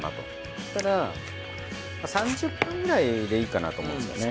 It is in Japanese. そうしたら３０分くらいでいいかなと思うんですよね。